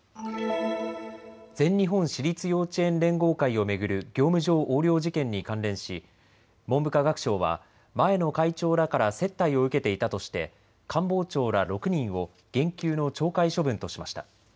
全日本私立幼稚園連合会を巡る業務上横領事件に関連し文部科学省は前の会長らから接待を受けていたとして官房長ら６人を減給の懲戒処分としました。